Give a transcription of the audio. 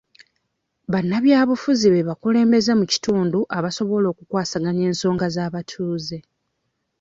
Bannabyabufuzi be bakulembeze mu kitundu abasobola okukwasaganya ensonga z'abatuuze.